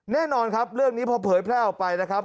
แน่นอนครับเรื่องนี้พอเผยแพร่ออกไปนะครับ